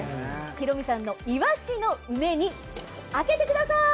ヒロミさんのイワシの梅煮開けてください！